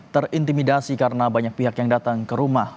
terintimidasi karena banyak pihak yang datang ke rumah